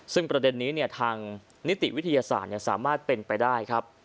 ซึ่งประเด็นนี้ทางนิติวิทยาศาสตร์สามารถเป็นไปได้ครับ